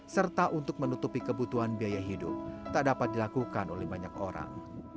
serta untuk menutupi kebutuhan biaya hidup tak dapat dilakukan oleh banyak orang